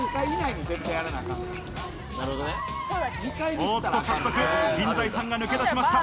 おっと早速、陣在さんが抜け出しました。